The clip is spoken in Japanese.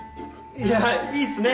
いやいいっすね！